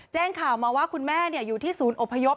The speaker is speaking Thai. แจ้งข่าวมาว่าคุณแม่อยู่ที่ศูนย์อพยพ